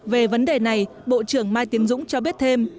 về vấn đề này bộ trưởng mai tiến dũng cho biết thêm